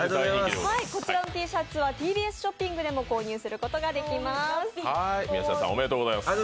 こちらのＴシャツはＴＢＳショッピングでも購入することができます。